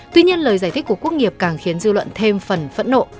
tuy nhiên lời giải thích của quốc nghiệp càng khiến dư luận thêm phần phẫn nộ